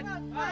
cipol pak bupi